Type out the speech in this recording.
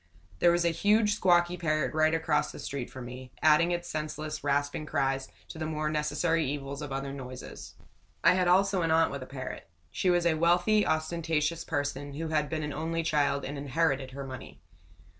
There was a huge, squawky parrot right across the street from me, adding its senseless, rasping cries to the more necessary evils of other noises. I had also an aunt with a parrot. She was a wealthy, ostentatious person, who had been an only child and inherited her money.